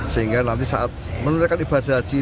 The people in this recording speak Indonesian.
sehingga nanti saat menunaikan ibadah haji